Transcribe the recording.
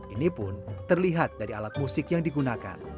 ini pun terlihat dari alat musik yang digunakan